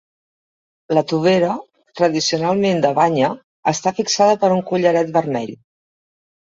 La tovera, tradicionalment de banya, està fixada per un collaret vermell.